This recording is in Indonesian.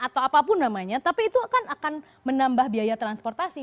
atau apapun namanya tapi itu akan menambah biaya transportasi